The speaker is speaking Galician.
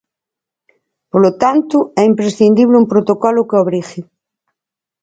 Polo tanto, é imprescindible un protocolo que obrigue.